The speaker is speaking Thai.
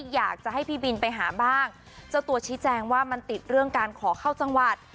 อยากจะให้พี่บินไปหาบ้างเจ้าตัวชี้แจงว่ามันติดเรื่องการขอเข้าจังหวัด